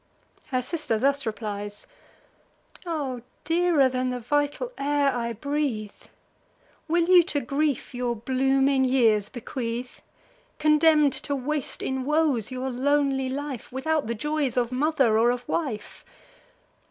Her sister thus replies: "O dearer than the vital air I breathe, Will you to grief your blooming years bequeath, Condemn'd to waste in woes your lonely life, Without the joys of mother or of wife?